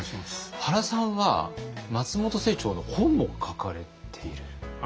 原さんは松本清張の本も書かれている？